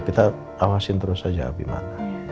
kita awasin terus aja abimane